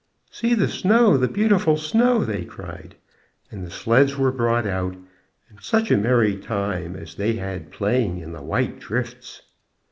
"See the snow, the beautiful snow" they cried; and the sleds were brought out, and such a merry time as they had playing in the white drifts!